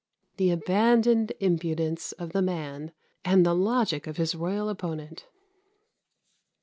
" The abandoned impudence of the man! and the logic of his royal opponent!